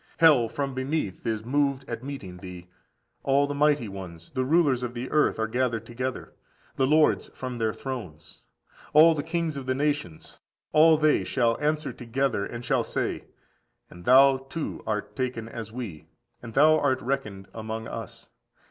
Hell from beneath is moved at meeting thee: all the mighty ones, the rulers of the earth, are gathered together—the lords from their thrones. All the kings of the nations, all they shall answer together, and shall say, And thou, too, art taken as we; and thou art reckoned among us.